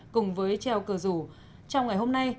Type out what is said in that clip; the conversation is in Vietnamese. cùng với treo cờ rủ trong ngày hôm nay